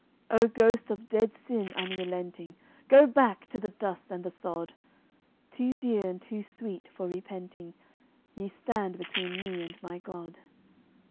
O ghost of dead sin unrelenting, Go back to the dust and the sod! Too dear and too sweet for repenting, Ye stand between me and my God.